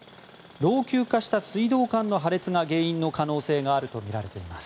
老朽化した水道管の破裂が原因の可能性があるとみられています。